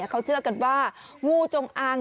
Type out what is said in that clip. เขาเชื่อกันว่างูจงอาง